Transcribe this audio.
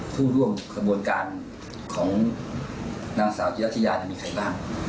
ผู้ร่วมขบวนการของนางสาวจิรัทยามีใครบ้าง